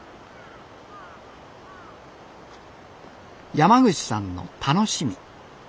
山口さんの楽しみ。